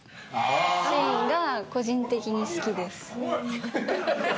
シーンが個人的に好きです。